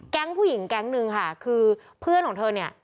ผู้หญิงแก๊งนึงค่ะคือเพื่อนของเธอเนี่ย